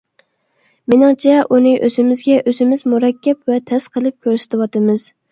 مېنىڭچە ئۇنى ئۆزىمىزگە ئۆزىمىز مۇرەككەپ ۋە تەس قىلىپ كۆرسىتىۋاتىمىز.